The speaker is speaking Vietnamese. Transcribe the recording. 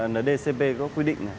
ndcp có quy định